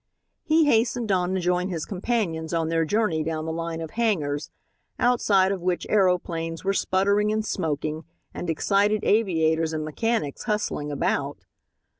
He hastened on to join his companions on their journey down the line of hangars, outside of which aeroplanes were sputtering and smoking, and excited aviators and mechanics hustling about.